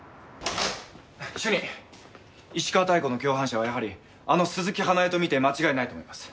主任石川妙子の共犯者はやはりあの鈴木花絵と見て間違いないと思います。